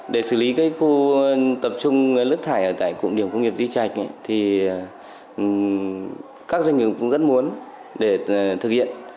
để xử lý khu tập trung nước thải ở tại cụm điểm công nghiệp di trạch thì các doanh nghiệp cũng rất muốn để thực hiện